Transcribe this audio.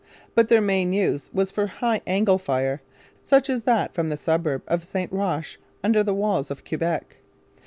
But their main use was for high angle fire, such as that from the suburb of St Roch under the walls of Quebec.